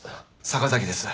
坂崎です。